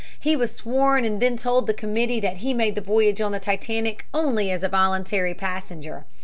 He was sworn and then told the committee that he made the voyage on the Titanic only as a voluntary passenger.